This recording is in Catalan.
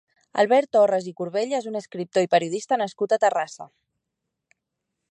Albert Torras i Corbella és un escriptor i periodista nascut a Terrassa.